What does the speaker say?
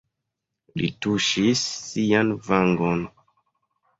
Li tuŝis sian vangon.